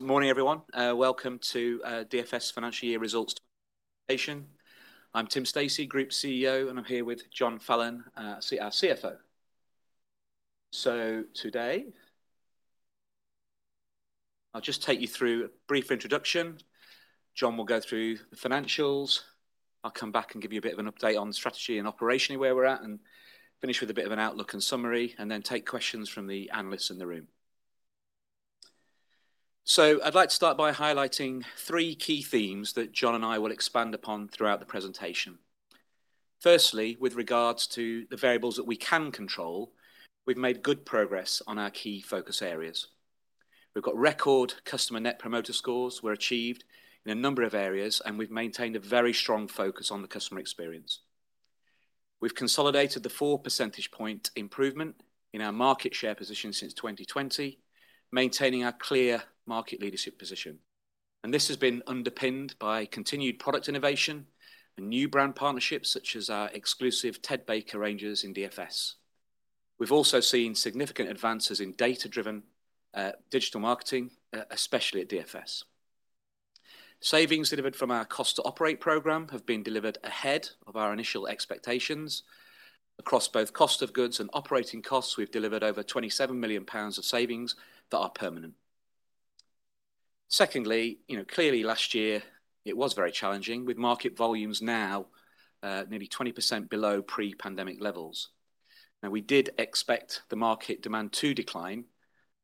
Good morning, everyone. Welcome to DFS financial year results presentation. I'm Tim Stacey, Group CEO, and I'm here with John Fallon, our CFO, so today, I'll just take you through a brief introduction. John will go through the financials. I'll come back and give you a bit of an update on strategy and operationally, where we're at, and finish with a bit of an outlook and summary, and then take questions from the analysts in the room, so I'd like to start by highlighting three key themes that John and I will expand upon throughout the presentation. Firstly, with regards to the variables that we can control, we've made good progress on our key focus areas. We've got record customer Net Promoter Scores were achieved in a number of areas, and we've maintained a very strong focus on the customer experience. We've consolidated the four percentage point improvement in our market share position since 2020, maintaining our clear market leadership position, and this has been underpinned by continued product innovation and new brand partnerships, such as our exclusive Ted Baker ranges in DFS. We've also seen significant advances in data-driven digital marketing, especially at DFS. Savings delivered from our Cost to Operate program have been delivered ahead of our initial expectations. Across both cost of goods and operating costs, we've delivered over 27 million pounds of savings that are permanent. Secondly, you know, clearly last year it was very challenging, with market volumes now nearly 20% below pre-pandemic levels. Now, we did expect the market demand to decline,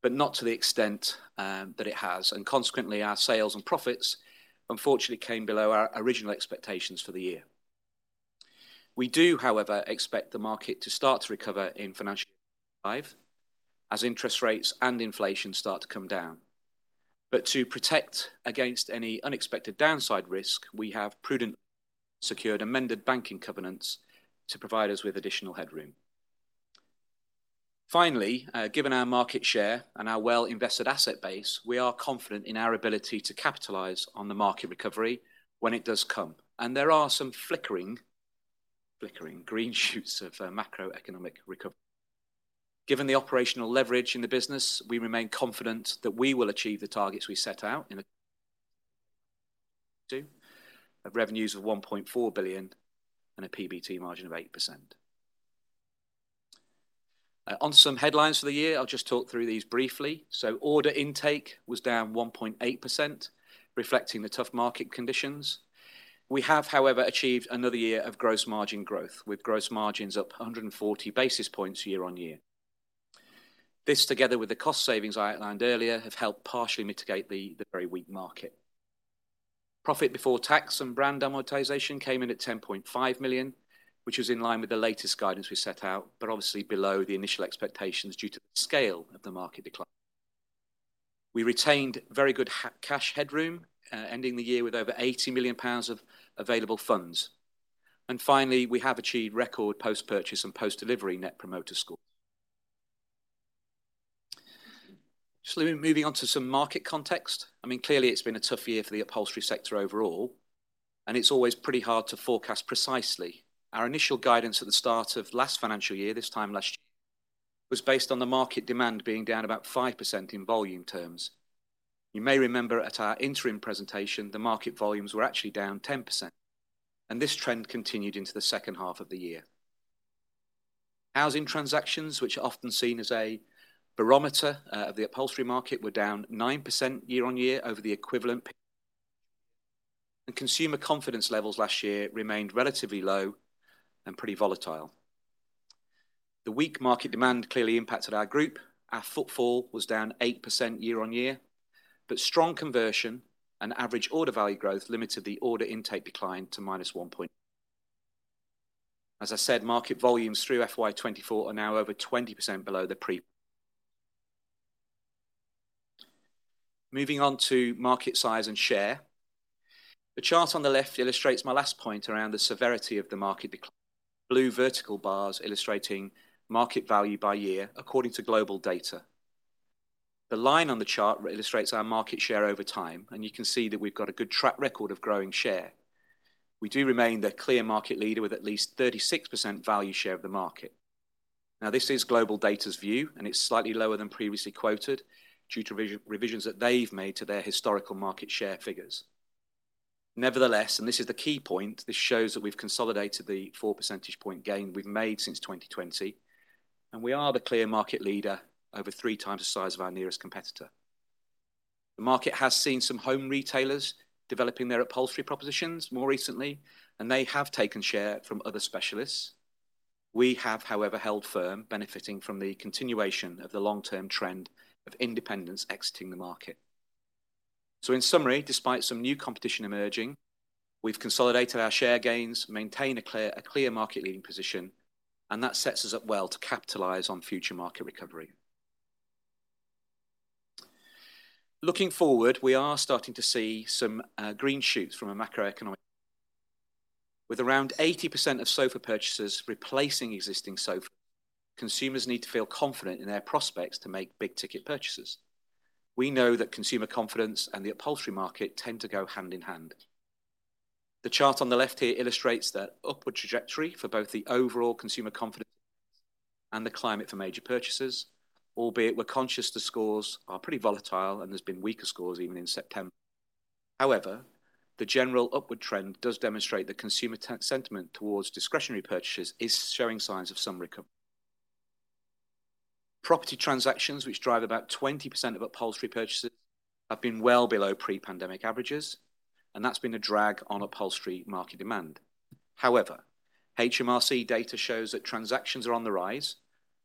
but not to the extent that it has, and consequently, our sales and profits unfortunately came below our original expectations for the year. We do, however, expect the market to start to recover in financial year 2025 as interest rates and inflation start to come down, but to protect against any unexpected downside risk, we have prudently secured amended banking covenants to provide us with additional headroom. Finally, given our market share and our well-invested asset base, we are confident in our ability to capitalize on the market recovery when it does come, and there are some flickering green shoots of macroeconomic recovery. Given the operational leverage in the business, we remain confident that we will achieve the targets we set out of revenues of 1.4 billion and a PBT margin of 8%. On some headlines for the year, I'll just talk through these briefly, so order intake was down 1.8%, reflecting the tough market conditions. We have, however, achieved another year of gross margin growth, with gross margins up 140 basis points year on year. This, together with the cost savings I outlined earlier, have helped partially mitigate the very weak market. Profit before tax and brand amortization came in at 10.5 million, which was in line with the latest guidance we set out, but obviously below the initial expectations due to the scale of the market decline. We retained very good cash headroom, ending the year with over 80 million pounds of available funds. And finally, we have achieved record post-purchase and post-delivery net promoter score. So then moving on to some market context, I mean, clearly, it's been a tough year for the upholstery sector overall, and it's always pretty hard to forecast precisely. Our initial guidance at the start of last financial year, this time last year, was based on the market demand being down about 5% in volume terms. You may remember at our interim presentation, the market volumes were actually down 10%, and this trend continued into the second half of the year. Housing transactions, which are often seen as a barometer of the upholstery market, were down 9% year on year, and consumer confidence levels last year remained relatively low and pretty volatile. The weak market demand clearly impacted our group. Our footfall was down 8% year on year, but strong conversion and average order value growth limited the order intake decline to minus 1 point. As I said, market volumes through FY 2024 are now over 20% below. Moving on to market size and share. The chart on the left illustrates my last point around the severity of the market decline. Blue vertical bars illustrating market value by year, according to GlobalData. The market has seen some home retailers developing their upholstery propositions more recently, and they have taken share from other specialists. We have, however, held firm, benefiting from the continuation of the long-term trend of independents exiting the market. So in summary, despite some new competition emerging, we've consolidated our share gains, maintained a clear market-leading position, and that sets us up well to capitalize on future market recovery. Looking forward, we are starting to see some green shoots from a macroeconomic with around 80% of sofa purchasers replacing existing sofa. Consumers need to feel confident in their prospects to make big-ticket purchases. We know that consumer confidence and the upholstery market tend to go hand in hand. The chart on the left here illustrates that upward trajectory for both the overall consumer confidence and the climate for major purchases, albeit we're conscious the scores are pretty volatile, and there's been weaker scores even in September. However, the general upward trend does demonstrate that consumer sentiment towards discretionary purchases is showing signs of some recovery. Property transactions, which drive about 20% of upholstery purchases, have been well below pre-pandemic averages, and that's been a drag on upholstery market demand. However, HMRC data shows that transactions are on the rise,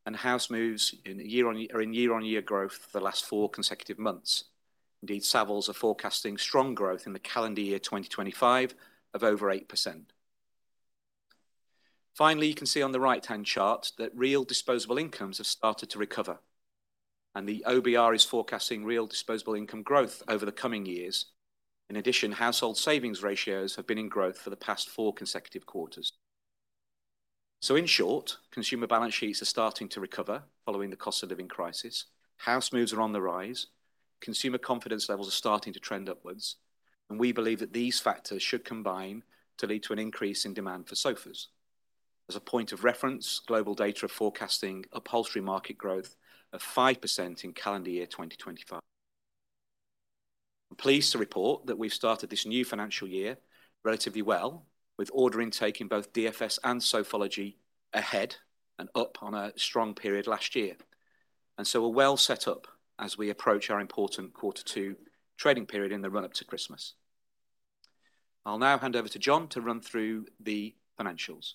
and house moves, year on year, are in year-on-year growth for the last four consecutive months. Indeed, Savills are forecasting strong growth in the calendar year 2025 of over 8%. Finally, you can see on the right-hand chart that real disposable incomes have started to recover, and the OBR is forecasting real disposable income growth over the coming years. In addition, household savings ratios have been in growth for the past four consecutive quarters. So in short, consumer balance sheets are starting to recover following the cost of living crisis. House moves are on the rise, consumer confidence levels are starting to trend upwards, and we believe that these factors should combine to lead to an increase in demand for sofas. As a point of reference, GlobalData are forecasting upholstery market growth of 5% in calendar year 2025. I'm pleased to report that we've started this new financial year relatively well, with order intake in both DFS and Sofology ahead and up on a strong period last year. And so we're well set up as we approach our important quarter two trading period in the run-up to Christmas. I'll now hand over to John to run through the financials.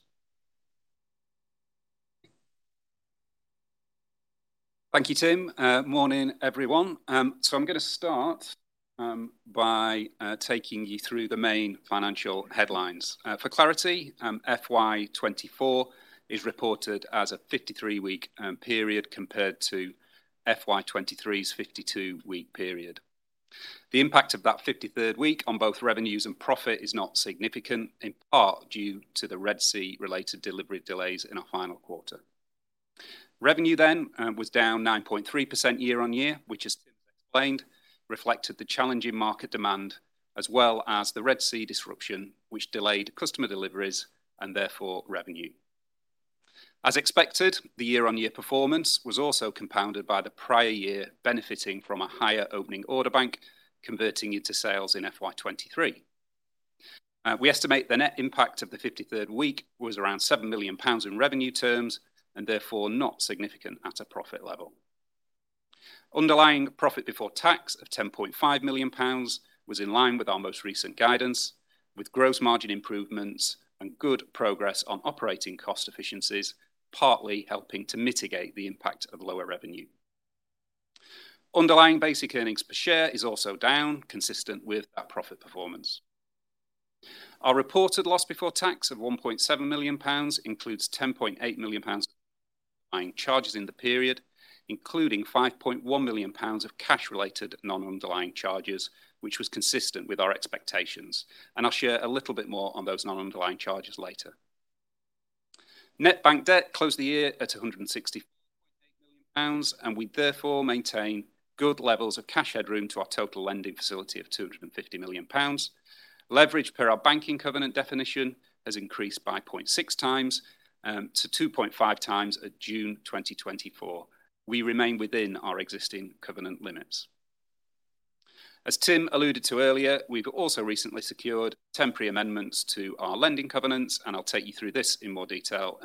Thank you, Tim. Morning, everyone. I'm gonna start by taking you through the main financial headlines. For clarity, FY 2024 is reported as a 53-week period, compared to FY 2023's 52-week period. The impact of that 53rd week on both revenues and profit is not significant, in part due to the Red Sea-related delivery delays in our final quarter. Revenue then was down 9.3% year on year, which as Tim explained, reflected the challenging market demand, as well as the Red Sea disruption, which delayed customer deliveries and therefore, revenue. As expected, the year-on-year performance was also compounded by the prior year benefiting from a higher opening order bank, converting into sales in FY 2023. We estimate the net impact of the fifty-third week was around 7 million pounds in revenue terms, and therefore not significant at a profit level. Underlying profit before tax of 10.5 million pounds was in line with our most recent guidance, with gross margin improvements and good progress on operating cost efficiencies, partly helping to mitigate the impact of lower revenue. Underlying basic earnings per share is also down, consistent with that profit performance. Our reported loss before tax of 1.7 million pounds includes 10.8 million pounds charges in the period, including 5.1 million pounds of cash-related non-underlying charges, which was consistent with our expectations, and I'll share a little bit more on those non-underlying charges later. Net bank debt closed the year at 168 million, and we therefore maintain good levels of cash headroom to our total lending facility of 250 million pounds. Leverage per our banking covenant definition has increased by 0.6 times to 2.5 times at June 2024. We remain within our existing covenant limits. As Tim alluded to earlier, we've also recently secured temporary amendments to our lending covenants, and I'll take you through this in more detail.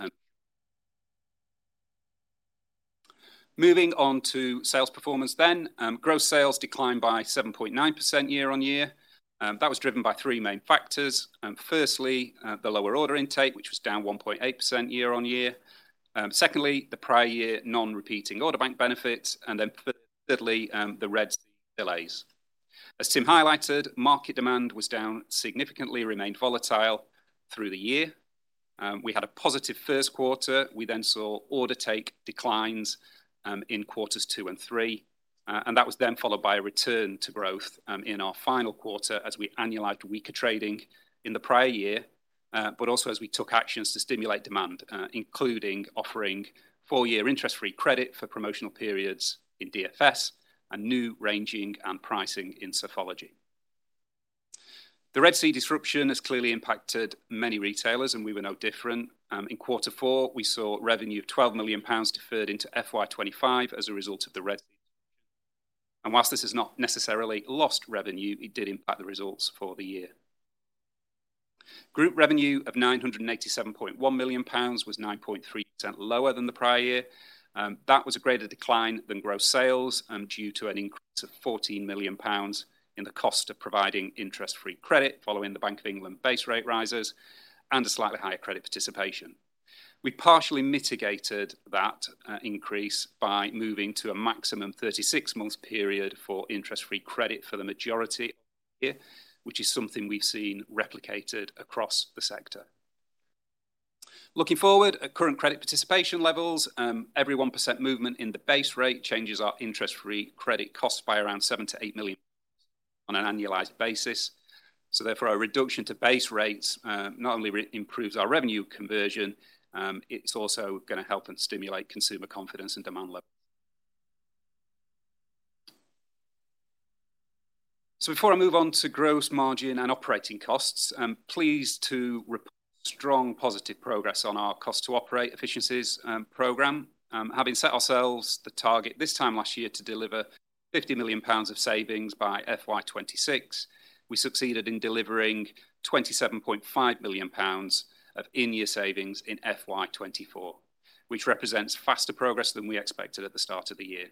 Moving on to sales performance then, gross sales declined by 7.9% year on year. That was driven by three main factors. Firstly, the lower order intake, which was down 1.8% year on year. Secondly, the prior year non-repeating order bank benefits, and then, thirdly, the Red Sea delays. As Tim highlighted, market demand was down significantly, remained volatile through the year. We had a positive first quarter. We then saw order intake declines in quarters two and three, and that was then followed by a return to growth in our final quarter as we annualized weaker trading in the prior year, but also as we took actions to stimulate demand, including offering four-year interest-free credit for promotional periods in DFS and new ranging and pricing in Sofology. The Red Sea disruption has clearly impacted many retailers, and we were no different. In quarter four, we saw revenue of 12 million pounds deferred into FY 2025 as a result of the Red Sea. While this is not necessarily lost revenue, it did impact the results for the year. Group revenue of 987.1 million pounds was 9.3% lower than the prior year. That was a greater decline than gross sales, due to an increase of 14 million pounds in the cost of providing interest-free credit following the Bank of England base rate rises and a slightly higher credit participation. We partially mitigated that increase by moving to a maximum 36 months period for interest-free credit for the majority of the year, which is something we've seen replicated across the sector. Looking forward, at current credit participation levels, every 1% movement in the base rate changes our interest-free credit cost by around 7-8 million on an annualized basis. So therefore, a reduction to base rates, not only improves our revenue conversion, it's also gonna help and stimulate consumer confidence and demand levels.... Before I move on to gross margin and operating costs, I'm pleased to report strong positive progress on our cost to operate efficiencies program. Having set ourselves the target this time last year to deliver 50 million pounds of savings by FY 2026, we succeeded in delivering 27.5 million pounds of in-year savings in FY 2024, which represents faster progress than we expected at the start of the year.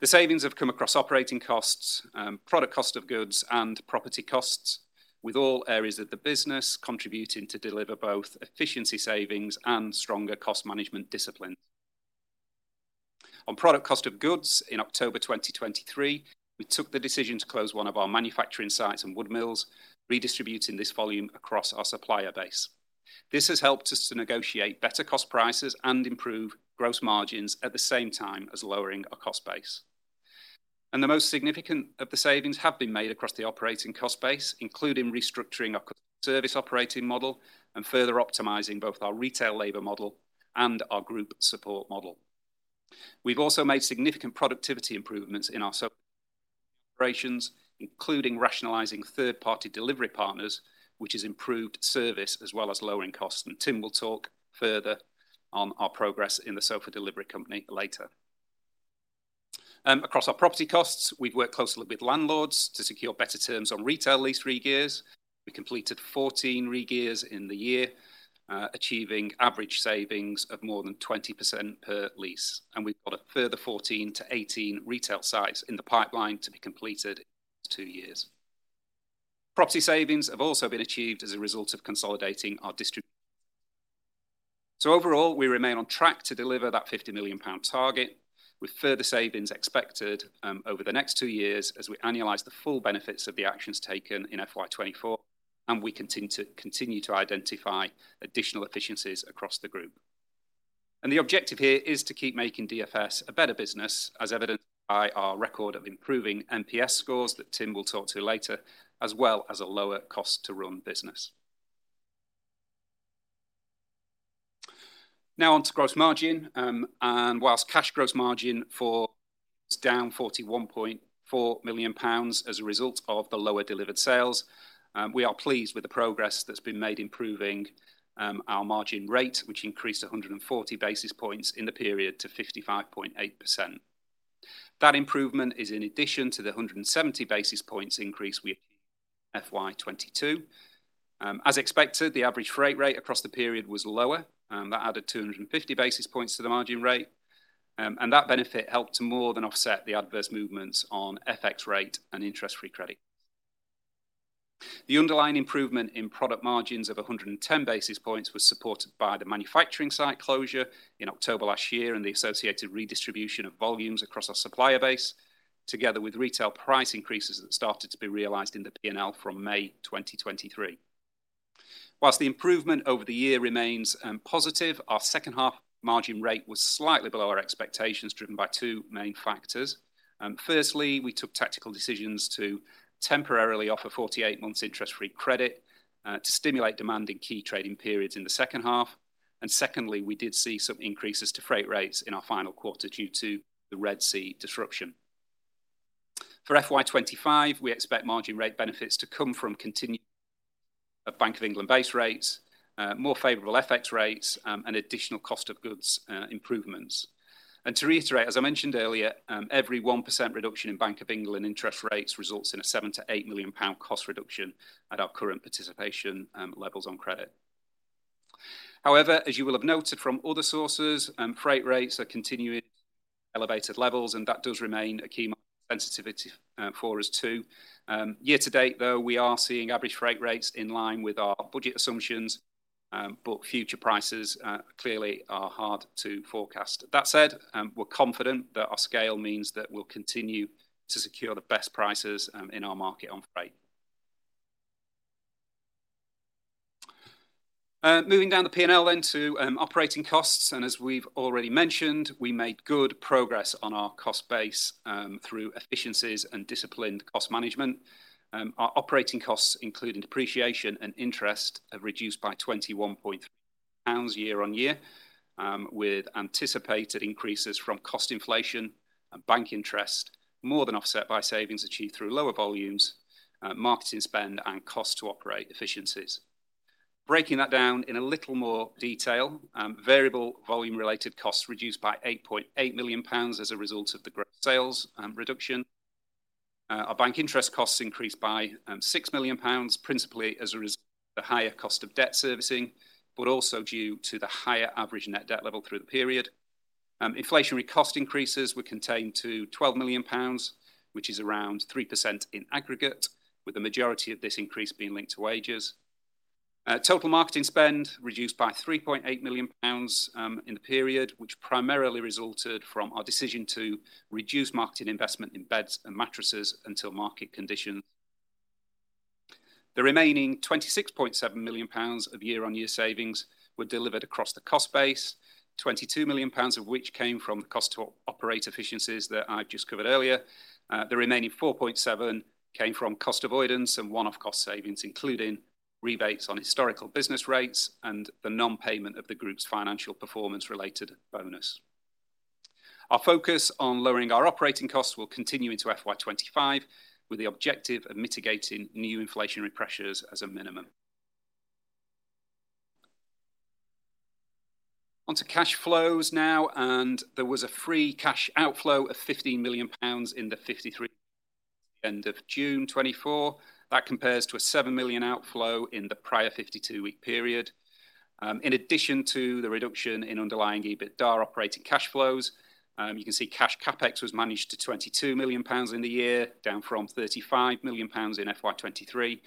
The savings have come across operating costs, product cost of goods, and property costs, with all areas of the business contributing to deliver both efficiency savings and stronger cost management discipline. On product cost of goods in October 2023, we took the decision to close one of our manufacturing sites and wood mills, redistributing this volume across our supplier base. This has helped us to negotiate better cost prices and improve gross margins at the same time as lowering our cost base. The most significant of the savings have been made across the operating cost base, including restructuring our service operating model and further optimizing both our retail labor model and our group support model. We've also made significant productivity improvements in our operations, including rationalizing third-party delivery partners, which has improved service as well as lowering costs, and Tim will talk further on our progress in the Sofa Delivery Company later. Across our property costs, we've worked closely with landlords to secure better terms on retail lease re-gears. We completed 14 re-gears in the year, achieving average savings of more than 20% per lease, and we've got a further 14 to 18 retail sites in the pipeline to be completed in 2 years. Property savings have also been achieved as a result of consolidating our district. So overall, we remain on track to deliver that 50 million pound target, with further savings expected over the next two years as we annualize the full benefits of the actions taken in FY 2024, and we continue to identify additional efficiencies across the group. And the objective here is to keep making DFS a better business, as evidenced by our record of improving NPS scores, that Tim will talk to later, as well as a lower cost to run business. Now, on to gross margin, and whilst cash gross margin was down 41.4 million pounds as a result of the lower delivered sales, we are pleased with the progress that's been made, improving our margin rate, which increased 140 basis points in the period to 55.8%. That improvement is in addition to the 170 basis points increase we had FY 2022. As expected, the average freight rate across the period was lower, that added 250 basis points to the margin rate, and that benefit helped to more than offset the adverse movements on FX rate and interest-free credit. The underlying improvement in product margins of a hundred and ten basis points was supported by the manufacturing site closure in October last year and the associated redistribution of volumes across our supplier base, together with retail price increases that started to be realized in the P&L from May 2023. While the improvement over the year remains positive, our second half margin rate was slightly below our expectations, driven by two main factors. First, we took tactical decisions to temporarily offer 48 months interest-free credit to stimulate demand in key trading periods in the second half. Second, we did see some increases to freight rates in our final quarter due to the Red Sea disruption. For FY 2025, we expect margin rate benefits to come from continued a Bank of England base rates, more favorable FX rates, and additional cost of goods improvements. And to reiterate, as I mentioned earlier, every 1% reduction in Bank of England interest rates results in a 7-8 million pound cost reduction at our current participation levels on credit. However, as you will have noted from other sources, freight rates are continuing elevated levels, and that does remain a key sensitivity for us, too. Year to date, though, we are seeing average freight rates in line with our budget assumptions, but future prices clearly are hard to forecast. That said, we're confident that our scale means that we'll continue to secure the best prices in our market on freight. Moving down the P&L then to operating costs, and as we've already mentioned, we made good progress on our cost base through efficiencies and disciplined cost management. Our operating costs, including depreciation and interest, have reduced by 21 million pounds year on year, with anticipated increases from cost inflation and bank interest more than offset by savings achieved through lower volumes, marketing spend, and cost to operate efficiencies. Breaking that down in a little more detail, variable volume-related costs reduced by 8.8 million pounds as a result of the sales reduction. Our bank interest costs increased by 6 million pounds, principally as a result of the higher cost of debt servicing, but also due to the higher average net debt level through the period. Inflationary cost increases were contained to 12 million pounds, which is around 3% in aggregate, with the majority of this increase being linked to wages. Total marketing spend reduced by 3.8 million pounds in the period, which primarily resulted from our decision to reduce marketing investment in beds and mattresses until market conditions. The remaining 26.7 million pounds of year-on-year savings were delivered across the cost base, 22 million pounds of which came from the cost to operate efficiencies that I've just covered earlier. The remaining 4.7 came from cost avoidance and one-off cost savings, including rebates on historical business rates and the non-payment of the group's financial performance related bonus. Our focus on lowering our operating costs will continue into FY 2025, with the objective of mitigating new inflationary pressures as a minimum. On to cash flows now, and there was a free cash outflow of 50 million pounds in the 53 weeks ending end of June 2024. That compares to a 7 million outflow in the prior 52-week period. In addition to the reduction in underlying EBITDA operating cash flows, you can see cash CapEx was managed to 22 million pounds in the year, down from 35 million pounds in FY 2023.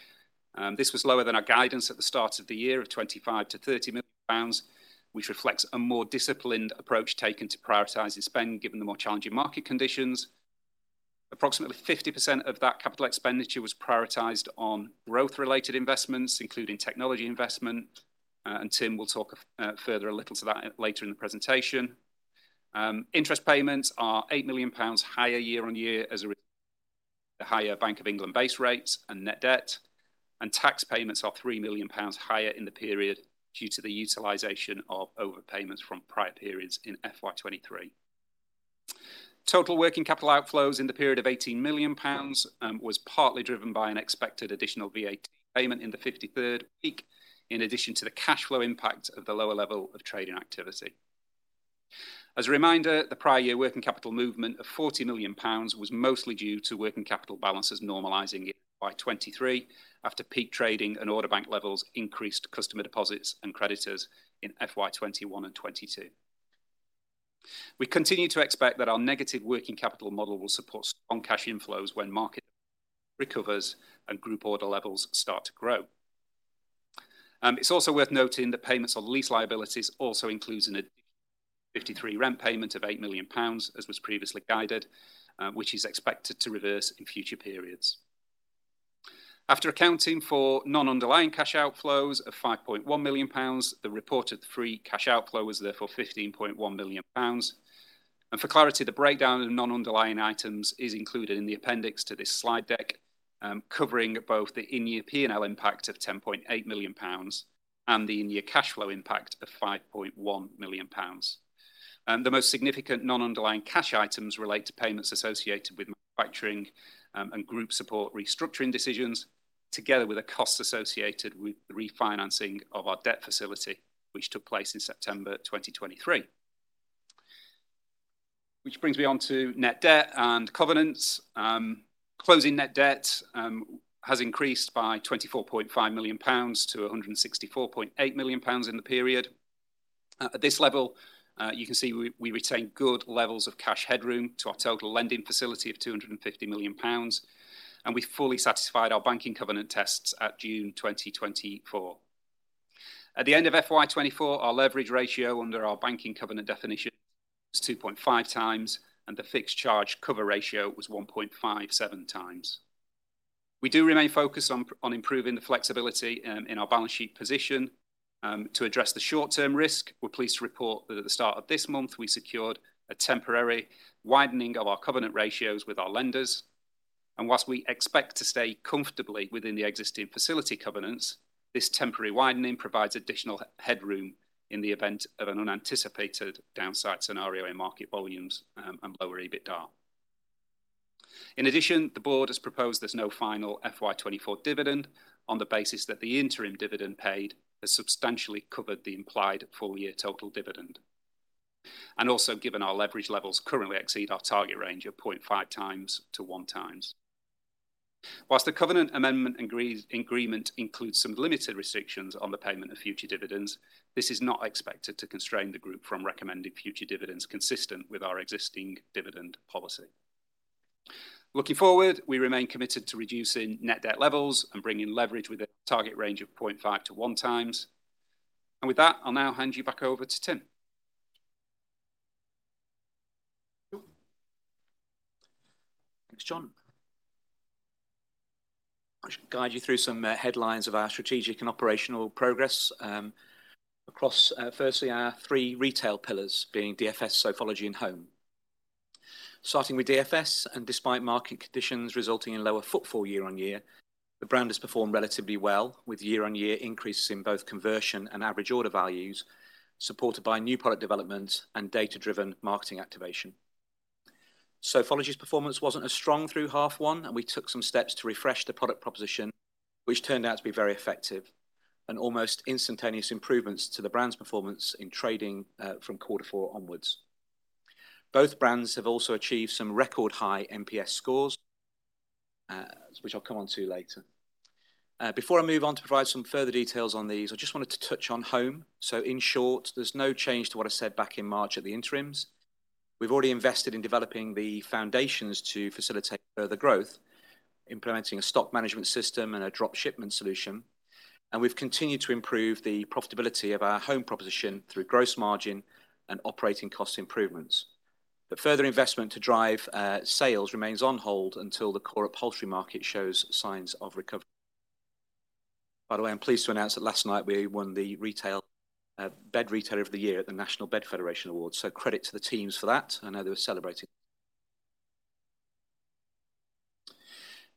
This was lower than our guidance at the start of the year of 25-30 million pounds, which reflects a more disciplined approach taken to prioritizing spend, given the more challenging market conditions. Approximately 50% of that capital expenditure was prioritized on growth-related investments, including technology investment, and Tim will talk further a little to that later in the presentation. Interest payments are 8 million pounds higher year on year as a result of the higher Bank of England base rates and net debt, and tax payments are 3 million pounds higher in the period due to the utilization of overpayments from prior periods in FY 2023. Total working capital outflows in the period of 18 million pounds was partly driven by an expected additional VAT payment in the 53rd week, in addition to the cash flow impact of the lower level of trading activity. As a reminder, the prior year working capital movement of 40 million pounds was mostly due to working capital balances normalizing in 2023, after peak trading and order book levels increased customer deposits and creditors in FY 2021 and 2022. We continue to expect that our negative working capital model will support strong cash inflows when market recovers and group order levels start to grow. It's also worth noting that payments on lease liabilities also includes an additional 53rd rent payment of 8 million pounds, as was previously guided, which is expected to reverse in future periods. After accounting for non-underlying cash outflows of 5.1 million pounds, the reported free cash outflow was therefore 15.1 million pounds, and for clarity, the breakdown of non-underlying items is included in the appendix to this slide deck, covering both the in-year P&L impact of 10.8 million pounds and the in-year cash flow impact of 5.1 million pounds. The most significant non-underlying cash items relate to payments associated with manufacturing and group support restructuring decisions, together with the costs associated with the refinancing of our debt facility, which took place in September 2023. Which brings me on to net debt and covenants. Closing net debt has increased by 24.5 million pounds to 164.8 million pounds in the period. At this level, you can see we retain good levels of cash headroom to our total lending facility of 250 million pounds, and we fully satisfied our banking covenant tests at June 2024. At the end of FY 2024, our leverage ratio under our banking covenant definition was 2.5 times, and the fixed charge cover ratio was 1.57 times. We do remain focused on improving the flexibility in our balance sheet position. To address the short-term risk, we're pleased to report that at the start of this month, we secured a temporary widening of our covenant ratios with our lenders. And while we expect to stay comfortably within the existing facility covenants, this temporary widening provides additional headroom in the event of an unanticipated downside scenario in market volumes, and lower EBITDA. In addition, the board has proposed there's no final FY 2024 dividend on the basis that the interim dividend paid has substantially covered the implied full-year total dividend. And also, given our leverage levels currently exceed our target range of 0.5 times to 1 times. While the covenant amendment agreement includes some limited restrictions on the payment of future dividends, this is not expected to constrain the group from recommending future dividends consistent with our existing dividend policy. Looking forward, we remain committed to reducing net debt levels and bringing leverage with a target range of 0.5-1 times. And with that, I'll now hand you back over to Tim. Thank you. Thanks, John. I should guide you through some headlines of our strategic and operational progress across firstly our 3 retail pillars, being DFS, Sofology, and Home. Starting with DFS, and despite market conditions resulting in lower footfall year on year, the brand has performed relatively well, with year-on-year increases in both conversion and average order values, supported by new product developments and data-driven marketing activation. Sofology's performance wasn't as strong through half one, and we took some steps to refresh the product proposition, which turned out to be very effective, and almost instantaneous improvements to the brand's performance in trading from quarter four onwards. Both brands have also achieved some record-high NPS scores, which I'll come on to later. Before I move on to provide some further details on these, I just wanted to touch on Home. So in short, there's no change to what I said back in March at the interims. We've already invested in developing the foundations to facilitate further growth, implementing a stock management system and a drop shipment solution, and we've continued to improve the profitability of our Home proposition through gross margin and operating cost improvements. But further investment to drive sales remains on hold until the core upholstery market shows signs of recovery. By the way, I'm pleased to announce that last night we won the Retail Bed Retailer of the Year at the National Bed Federation Awards. So credit to the teams for that. I know they were celebrating...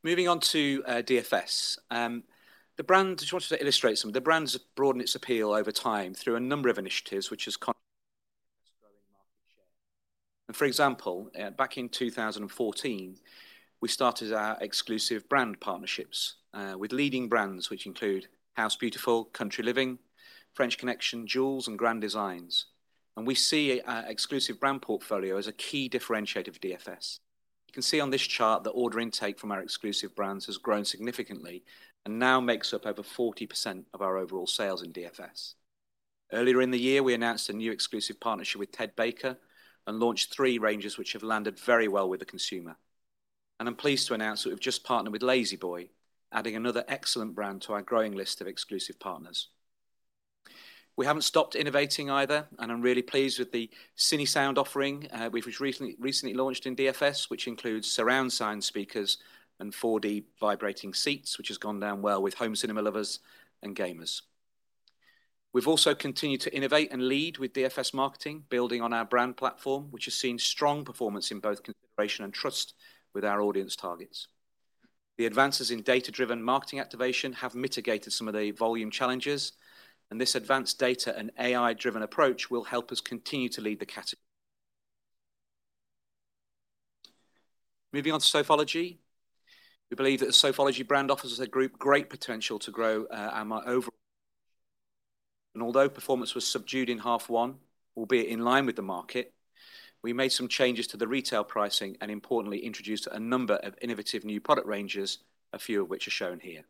Moving on to DFS. The brand just wanted to illustrate some the brand's broadened its appeal over time through a number of initiatives, which has growing market share. And for example, back in two 2014, we started our exclusive brand partnerships with leading brands, which include House Beautiful, Country Living, French Connection, Joules, and Grand Designs. And we see our exclusive brand portfolio as a key differentiator of DFS. You can see on this chart that order intake from our exclusive brands has grown significantly, and now makes up over 40% of our overall sales in DFS. Earlier in the year, we announced a new exclusive partnership with Ted Baker, and launched three ranges which have landed very well with the consumer. And I'm pleased to announce that we've just partnered with La-Z-Boy, adding another excellent brand to our growing list of exclusive partners. We haven't stopped innovating either, and I'm really pleased with the CineSound offering, which was recently launched in DFS, which includes surround sound speakers and 4D vibrating seats, which has gone down well with home cinema lovers and gamers. We've also continued to innovate and lead with DFS marketing, building on our brand platform, which has seen strong performance in both consideration and trust with our audience targets. The advances in data-driven marketing activation have mitigated some of the volume challenges, and this advanced data and AI-driven approach will help us continue to lead the category. Moving on to Sofology. We believe that the Sofology brand offers the group great potential to grow, our overall... Although performance was subdued in half one, albeit in line with the market, we made some changes to the retail pricing, and importantly, introduced a number of innovative new product ranges, a few of which are shown here.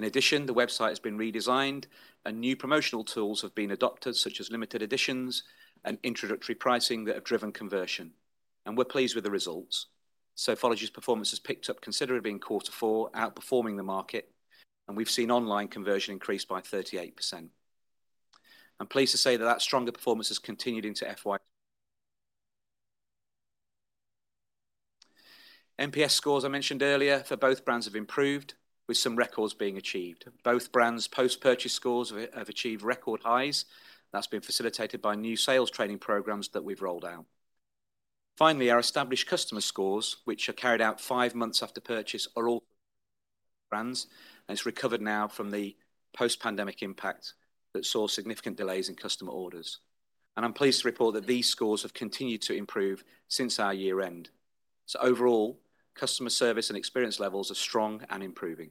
In addition, the website has been redesigned, and new promotional tools have been adopted, such as limited editions and introductory pricing that have driven conversion, and we're pleased with the results. Sofology's performance has picked up considerably in quarter four, outperforming the market, and we've seen online conversion increase by 38%. I'm pleased to say that stronger performance has continued into FY. NPS scores, I mentioned earlier, for both brands have improved, with some records being achieved. Both brands' post-purchase scores have achieved record highs. That's been facilitated by new sales training programs that we've rolled out. Finally, our established customer scores, which are carried out five months after purchase, are all brands, and it's recovered now from the post-pandemic impact that saw significant delays in customer orders. And I'm pleased to report that these scores have continued to improve since our year end. So overall, customer service and experience levels are strong and improving.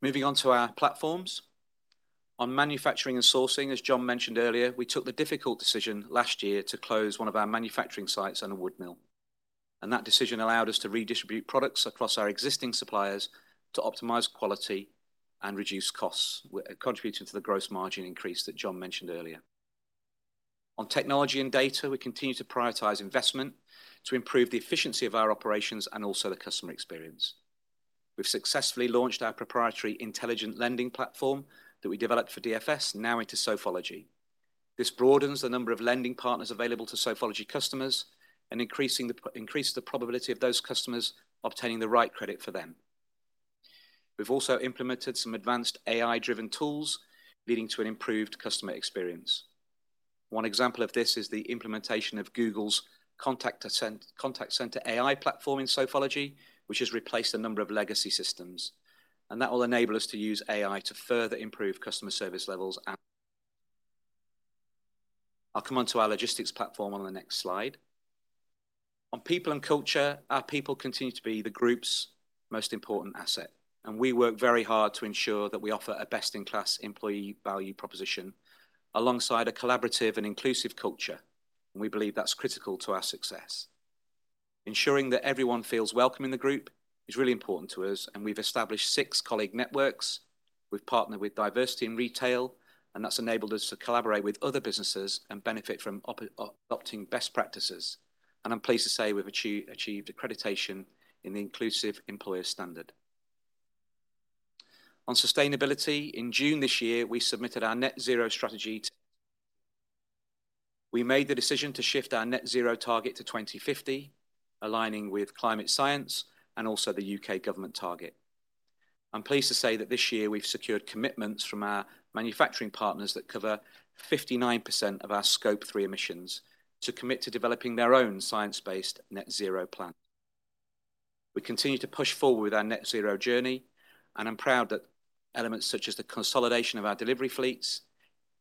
Moving on to our platforms. On manufacturing and sourcing, as John mentioned earlier, we took the difficult decision last year to close one of our manufacturing sites and a wood mill, and that decision allowed us to redistribute products across our existing suppliers to optimize quality and reduce costs, contributing to the gross margin increase that John mentioned earlier. On technology and data, we continue to prioritize investment to improve the efficiency of our operations and also the customer experience. We've successfully launched our proprietary intelligent lending platform that we developed for DFS, now into Sofology. This broadens the number of lending partners available to Sofology customers and increases the probability of those customers obtaining the right credit for them. We've also implemented some advanced AI-driven tools, leading to an improved customer experience. One example of this is the implementation of Google's Contact Center AI platform in Sofology, which has replaced a number of legacy systems, and that will enable us to use AI to further improve customer service levels. I'll come on to our logistics platform on the next slide. On people and culture, our people continue to be the group's most important asset, and we work very hard to ensure that we offer a best-in-class employee value proposition, alongside a collaborative and inclusive culture, and we believe that's critical to our success. Ensuring that everyone feels welcome in the group is really important to us, and we've established six colleague networks. We've partnered with Diversity in Retail, and that's enabled us to collaborate with other businesses and benefit from adopting best practices, and I'm pleased to say we've achieved accreditation in the Inclusive Employers Standard. On sustainability, in June this year, we submitted our net zero strategy. We made the decision to shift our net zero target to 2050, aligning with climate science and also the UK government target. I'm pleased to say that this year we've secured commitments from our manufacturing partners that cover 59% of our Scope 3 emissions to commit to developing their own science-based net zero plan. We continue to push forward with our net zero journey, and I'm proud that elements such as the consolidation of our delivery fleets,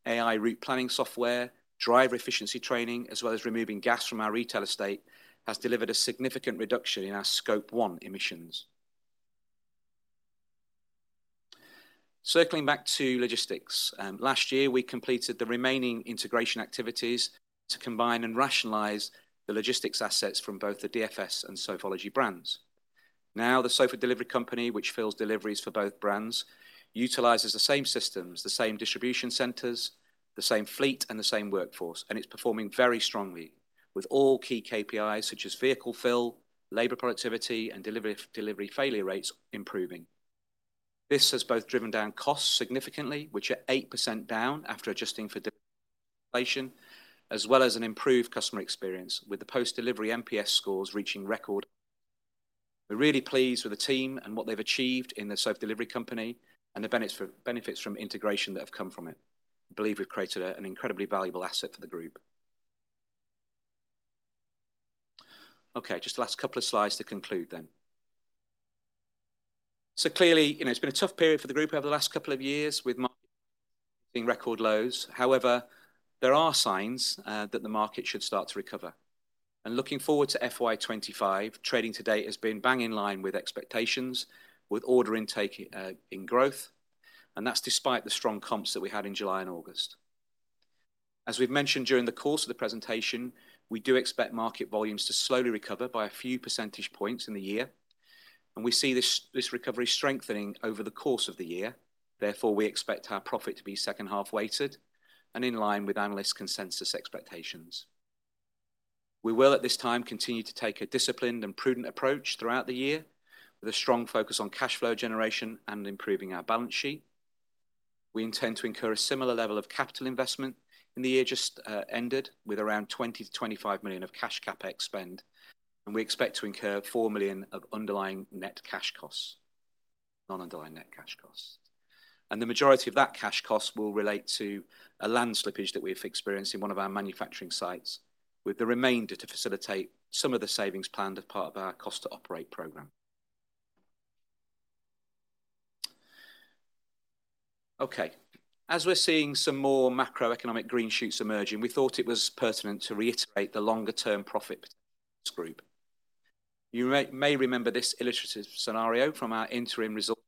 AI route planning software, driver efficiency training, as well as removing gas from our retail estate, has delivered a significant reduction in our Scope 1 emissions. Circling back to logistics, last year, we completed the remaining integration activities to combine and rationalize the logistics assets from both the DFS and Sofology brands. Now, the Sofa Delivery Company, which fulfills deliveries for both brands, utilizes the same systems, the same distribution centers, the same fleet, and the same workforce, and it's performing very strongly with all key KPIs, such as vehicle fill, labor productivity, and delivery failure rates improving. This has both driven down costs significantly, which are 8% down after adjusting for the inflation, as well as an improved customer experience, with the post-delivery NPS scores reaching record highs. We're really pleased with the team and what they've achieved in the Sofa Delivery Company and the benefits for, benefits from integration that have come from it. I believe we've created an incredibly valuable asset for the group. Okay, just the last couple of slides to conclude then. So clearly, you know, it's been a tough period for the group over the last couple of years, with market hitting record lows. However, there are signs that the market should start to recover. Looking forward to FY twenty-five, trading to date has been bang in line with expectations, with order intake in growth, and that's despite the strong comps that we had in July and August. As we've mentioned during the course of the presentation, we do expect market volumes to slowly recover by a few percentage points in the year, and we see this recovery strengthening over the course of the year. Therefore, we expect our profit to be second half weighted and in line with analyst consensus expectations. We will, at this time, continue to take a disciplined and prudent approach throughout the year, with a strong focus on cash flow generation and improving our balance sheet. We intend to incur a similar level of capital investment in the year just ended, with around 20-25 million of cash CapEx spend, and we expect to incur 4 million of underlying net cash costs, non-underlying net cash costs. The majority of that cash cost will relate to a land slippage that we've experienced in one of our manufacturing sites, with the remainder to facilitate some of the savings planned as part of our Cost to Operate program. Okay, as we're seeing some more macroeconomic green shoots emerging, we thought it was pertinent to reiterate the longer term profit group. You may remember this illustrative scenario from our interim results,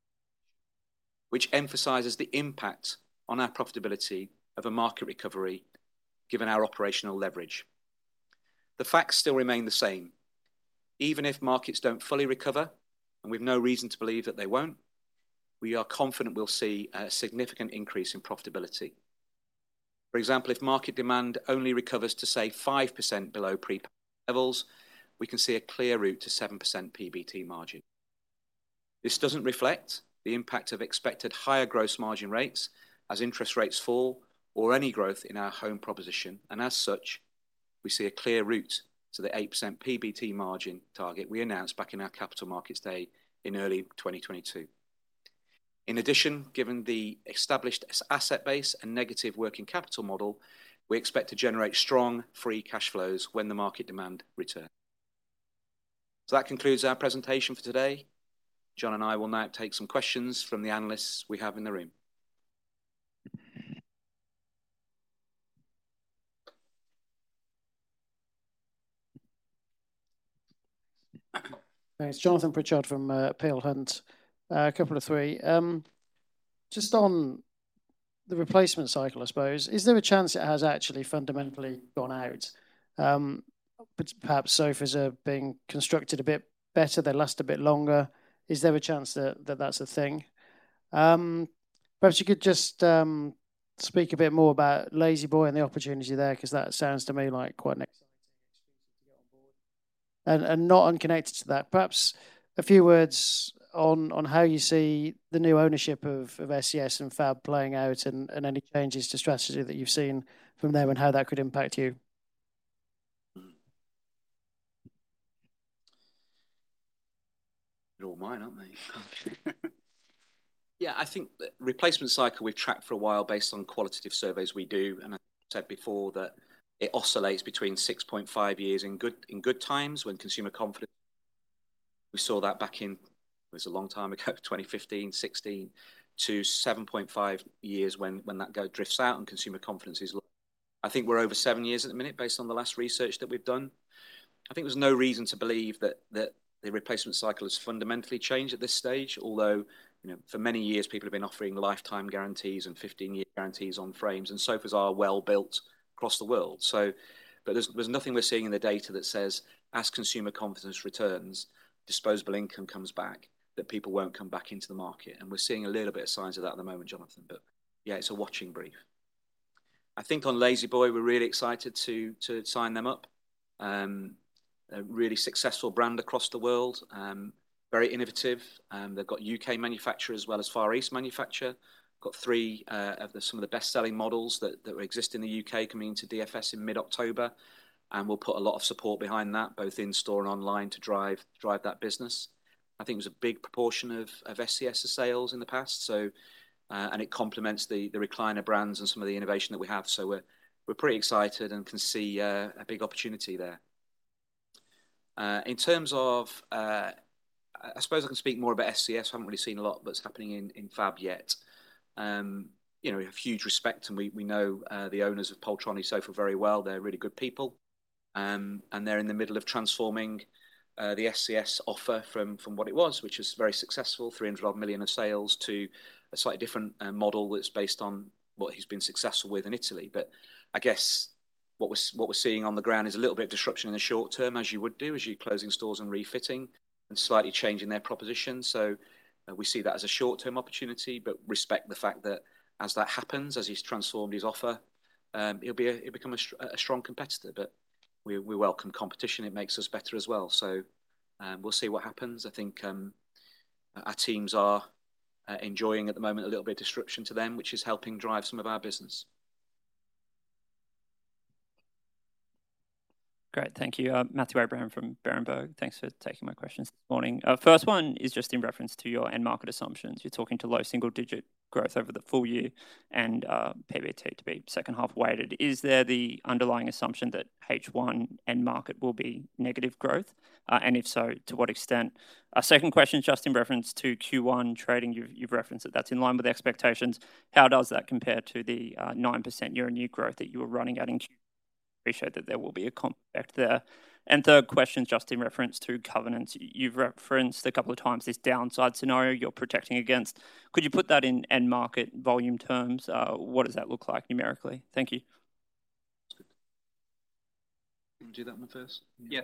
which emphasizes the impact on our profitability of a market recovery, given our operational leverage. The facts still remain the same. Even if markets don't fully recover, and we've no reason to believe that they won't, we are confident we'll see a significant increase in profitability. For example, if market demand only recovers to, say, 5% below pre-levels, we can see a clear route to 7% PBT margin. This doesn't reflect the impact of expected higher gross margin rates as interest rates fall, or any growth in our home proposition, and as such, we see a clear route to the 8% PBT margin target we announced back in our capital markets day in early 2022. In addition, given the established asset base and negative working capital model, we expect to generate strong free cash flows when the market demand returns. So that concludes our presentation for today. John and I will now take some questions from the analysts we have in the room. It's Jonathan Pritchard from Peel Hunt. A couple of three. Just on the replacement cycle, I suppose, is there a chance it has actually fundamentally gone out? But perhaps sofas are being constructed a bit better, they last a bit longer. Is there a chance that that's a thing? Perhaps you could just speak a bit more about La-Z-Boy and the opportunity there, 'cause that sounds to me like quite an exciting to get on board. And not unconnected to that, perhaps a few words on how you see the new ownership of ScS and Fabb playing out, and any changes to strategy that you've seen from them and how that could impact you. Hmm. They're all mine, aren't they? Yeah, I think the replacement cycle we've tracked for a while based on qualitative surveys we do, and I said before that it oscillates between 6.5 years in good times when consumer confidence... We saw that back in, it was a long time ago, 2015, 2016, to 7.5 years, when that drifts out and consumer confidence is low. I think we're over seven years at the minute, based on the last research that we've done. I think there's no reason to believe that the replacement cycle has fundamentally changed at this stage, although, you know, for many years, people have been offering lifetime guarantees and 15-year guarantees on frames, and sofas are well built across the world. But there's nothing we're seeing in the data that says, as consumer confidence returns, disposable income comes back, that people won't come back into the market, and we're seeing a little bit of signs of that at the moment, Jonathan. But yeah, it's a watching brief. I think on La-Z-Boy, we're really excited to sign them up. A really successful brand across the world, very innovative, they've got UK manufacturer as well as Far East manufacturer. Got three of some of the best-selling models that exist in the UK coming to DFS in mid-October, and we'll put a lot of support behind that, both in store and online, to drive that business. I think it was a big proportion of ScS's sales in the past, so, and it complements the recliner brands and some of the innovation that we have. So we're pretty excited and can see a big opportunity there. In terms of, I suppose I can speak more about ScS. I haven't really seen a lot that's happening in FAB yet. You know, we have huge respect, and we know the owners of Poltronesofa very well. They're really good people, and they're in the middle of transforming the ScS offer from what it was, which was very successful, 300-odd million of sales, to a slightly different model that's based on what he's been successful with in Italy. But I guess what we're seeing on the ground is a little bit of disruption in the short term, as you would do, as you're closing stores and refitting, and slightly changing their proposition. So we see that as a short-term opportunity, but respect the fact that as that happens, as he's transformed his offer, he'll become a strong competitor. But we welcome competition. It makes us better as well. So, we'll see what happens. I think our teams are enjoying at the moment a little bit of disruption to them, which is helping drive some of our business. ... Great. Thank you. Matthew Abraham from Berenberg. Thanks for taking my questions this morning. First one is just in reference to your end market assumptions. You're talking to low single-digit growth over the full year and, PBT to be second half weighted. Is there the underlying assumption that H1 end market will be negative growth? And if so, to what extent? Second question, just in reference to Q1 trading, you've referenced that that's in line with expectations. How does that compare to the, 9% year-on-year growth that you were running at in Q...? Appreciate that there will be a comeback there. And third question, just in reference to covenants. You've referenced a couple of times this downside scenario you're protecting against. Could you put that in end market volume terms? What does that look like numerically? Thank you. That's good. Can you do that one first? Yeah.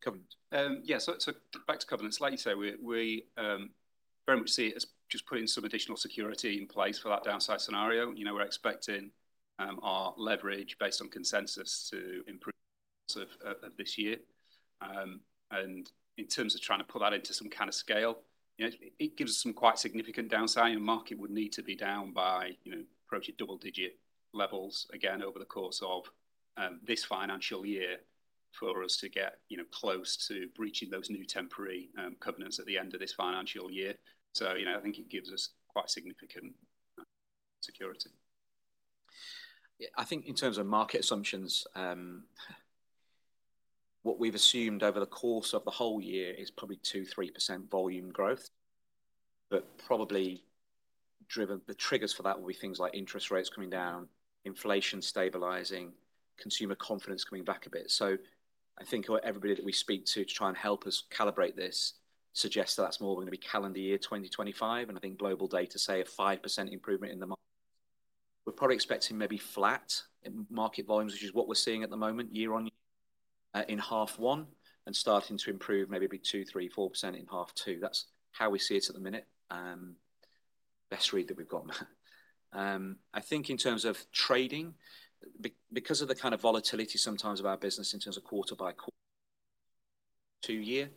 Covenants.[inaudible distortion] Yeah, so back to covenants. Like you say, we very much see it as just putting some additional security in place for that downside scenario. You know, we're expecting our leverage based on consensus to improve this year. And in terms of trying to put that into some kind of scale, you know, it gives us some quite significant downside, and the market would need to be down by, you know, approaching double digit levels again over the course of this financial year for us to get, you know, close to breaching those new temporary covenants at the end of this financial year, so you know, I think it gives us quite significant security. Yeah, I think in terms of market assumptions, what we've assumed over the course of the whole year is probably 2%-3% volume growth, but probably driven, the triggers for that will be things like interest rates coming down, inflation stabilizing, consumer confidence coming back a bit. So I think everybody that we speak to, to try and help us calibrate this, suggest that's more going to be calendar year twenty twenty-five, and I think GlobalData say a 5% improvement in the market. We're probably expecting maybe flat in market volumes, which is what we're seeing at the moment, year-on-year, in half one, and starting to improve maybe 2%-4% in half two. That's how we see it at the minute. Best read that we've got. I think in terms of trading, because of the kind of volatility sometimes of our business in terms of quarter-by-quarter, two-year.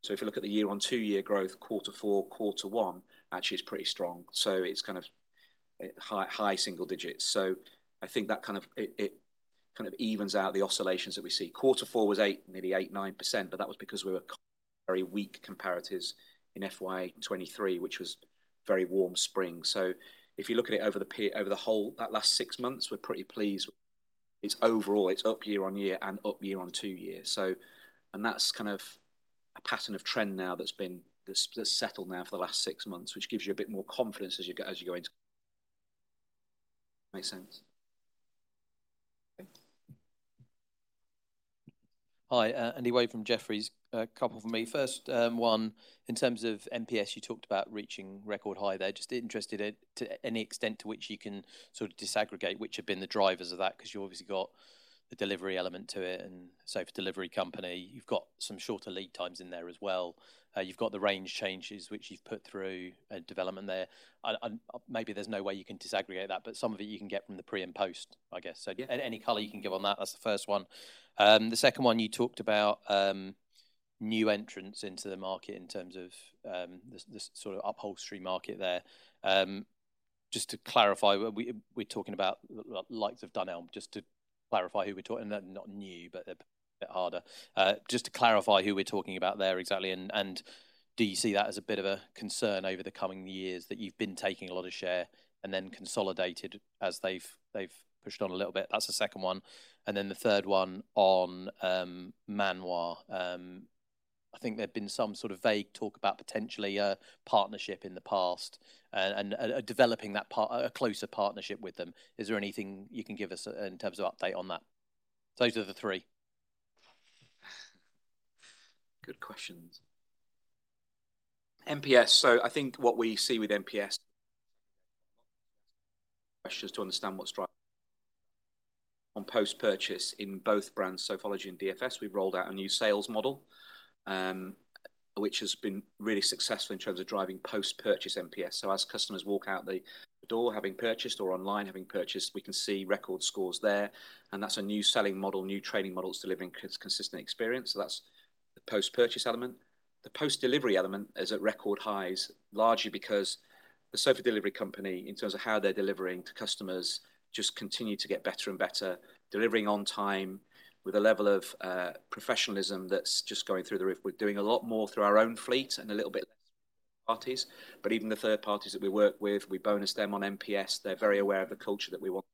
So if you look at the year-on-two-year growth, quarter four, quarter one, actually is pretty strong. So it's kind of high single digits. So I think that kind of. It kind of evens out the oscillations that we see. Quarter four was 8%, maybe 8%-9%, but that was because we were very weak comparatives in FY 2023, which was very warm spring. So if you look at it over the whole, that last six months, we're pretty pleased. It's overall up year on year and up year on two year. So, and that's kind of a pattern of trend now that's been settled now for the last six months, which gives you a bit more confidence as you go into... Make sense? Okay. Hi, Andy Wade from Jefferies. A couple from me. First, one, in terms of NPS, you talked about reaching record high there. Just interested, to any extent to which you can sort of disaggregate, which have been the drivers of that, because you obviously got the delivery element to it, and Sofa Delivery Company, you've got some shorter lead times in there as well. You've got the range changes, which you've put through a development there. And maybe there's no way you can disaggregate that, but some of it you can get from the pre and post, I guess. So any color you can give on that, that's the first one. The second one, you talked about, new entrants into the market in terms of, this sort of upholstery market there. Just to clarify, we're talking about the likes of Dunelm, just to clarify who we're talking about there exactly, and they're not new, but they're a bit harder. Just to clarify who we're talking about there exactly, and do you see that as a bit of a concern over the coming years, that you've been taking a lot of share and then consolidated as they've pushed on a little bit? That's the second one. And then the third one on Man Wah. I think there'd been some sort of vague talk about potentially a partnership in the past and developing that partnership, a closer partnership with them. Is there anything you can give us in terms of update on that? Those are the three. Good questions. NPS, so I think what we see with NPS, questions to understand what's driving on post-purchase in both brands, Sofology and DFS, we've rolled out a new sales model, which has been really successful in terms of driving post-purchase NPS. So as customers walk out the door, having purchased or online, having purchased, we can see record scores there, and that's a new selling model, new trading models delivering consistent experience. So that's the post-purchase element. The post-delivery element is at record highs, largely because The Sofa Delivery Company, in terms of how they're delivering to customers, just continue to get better and better, delivering on time with a level of professionalism that's just going through the roof. We're doing a lot more through our own fleet and a little bit less parties, but even the third parties that we work with, we bonus them on NPS. They're very aware of the culture that we want,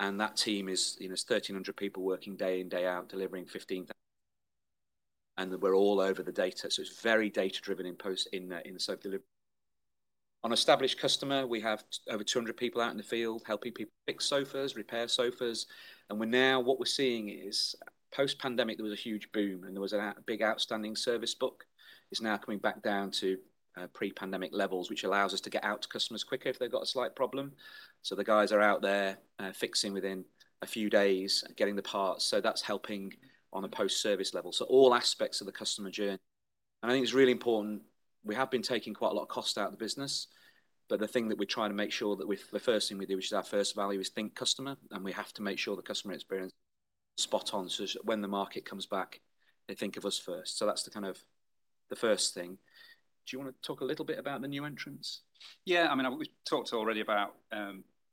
and that team is, you know, 1,300 people working day in, day out, delivering fifteen..., and we're all over the data. So it's very data-driven in the Sofa Delivery. On established customer, we have over 200 people out in the field, helping people fix sofas, repair sofas, and we're now, what we're seeing is post-pandemic, there was a huge boom, and there was a big outstanding service book. It's now coming back down to pre-pandemic levels, which allows us to get out to customers quicker if they've got a slight problem. So the guys are out there, fixing within a few days, getting the parts, so that's helping on a post-service level. So all aspects of the customer journey. And I think it's really important, we have been taking quite a lot of cost out of the business, but the thing that we're trying to make sure that we, the first thing we do, which is our first value, is think customer, and we have to make sure the customer experience is spot on. So when the market comes back, they think of us first. So that's the kind of-... the first thing. Do you want to talk a little bit about the new entrants? Yeah, I mean, we've talked already about,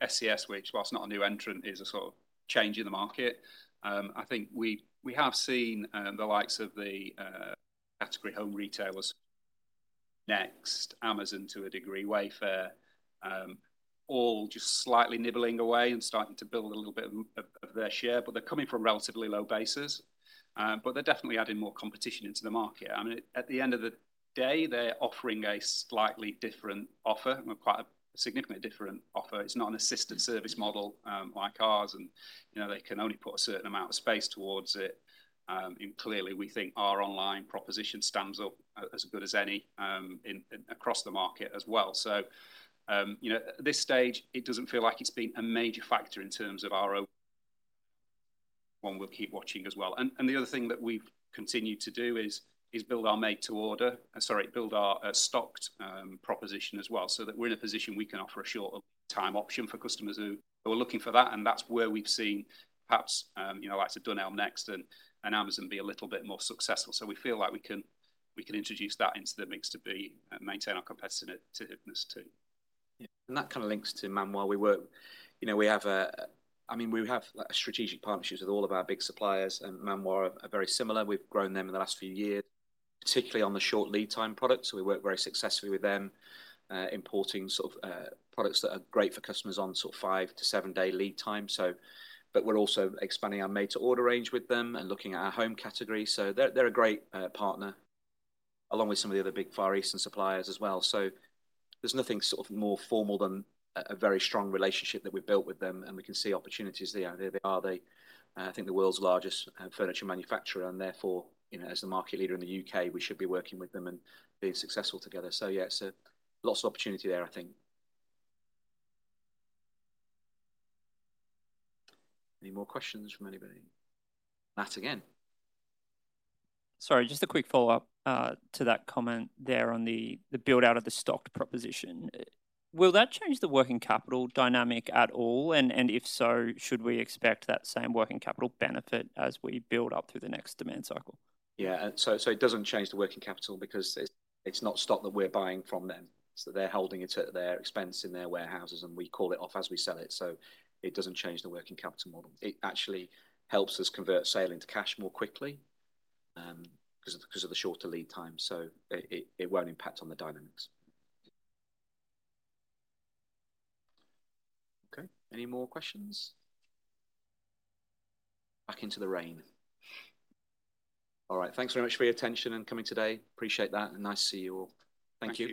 ScS, which, while it's not a new entrant, is a sort of change in the market. I think we have seen the likes of the category home retailers, Next, Amazon to a degree, Wayfair, all just slightly nibbling away and starting to build a little bit of their share, but they're coming from relatively low bases. But they're definitely adding more competition into the market. I mean, at the end of the day, they're offering a slightly different offer, and quite a significantly different offer. It's not an assisted service model like ours, and, you know, they can only put a certain amount of space towards it. And clearly, we think our online proposition stands up as good as any in across the market as well. So, you know, at this stage, it doesn't feel like it's been a major factor in terms of our own. One, we'll keep watching as well. And the other thing that we've continued to do is build our make to order. Sorry, build our stocked proposition as well, so that we're in a position we can offer a shorter time option for customers who are looking for that, and that's where we've seen perhaps, you know, likes of Dunelm, Next, and Amazon be a little bit more successful. So we feel like we can introduce that into the mix to maintain our competitiveness, too. Yeah, and that kind of links to Man Wah. We work. You know, we have a, I mean, we have strategic partnerships with all of our big suppliers, and Man Wah are very similar. We've grown them in the last few years, particularly on the short lead time products, so we work very successfully with them, importing sort of, products that are great for customers on sort of five to seven day lead time, so. But we're also expanding our made to order range with them and looking at our home category. So they're, they're a great, partner, along with some of the other big Far Eastern suppliers as well. So there's nothing sort of more formal than a, a very strong relationship that we've built with them, and we can see opportunities there. They are the, I think, the world's largest furniture manufacturer, and therefore, you know, as the market leader in the UK, we should be working with them and being successful together. So yeah, so lots of opportunity there, I think. Any more questions from anybody? Matt, again. Sorry, just a quick follow-up, to that comment there on the build-out of the stocked proposition. Will that change the working capital dynamic at all? And, if so, should we expect that same working capital benefit as we build up through the next demand cycle? Yeah, so it doesn't change the working capital because it's not stock that we're buying from them. So they're holding it at their expense in their warehouses, and we call it off as we sell it, so it doesn't change the working capital model. It actually helps us convert sale into cash more quickly, 'cause of the shorter lead time, so it won't impact on the dynamics. Okay, any more questions? Back into the rain. All right, thanks very much for your attention and coming today. Appreciate that, and nice to see you all. Thank you.